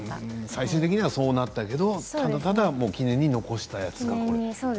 最終的にはそうなったけどただただ記念に残したやつを。